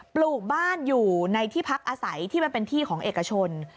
ปลูกบ้านอยู่ในที่พักอาศัยที่มันเป็นที่ของเอกชน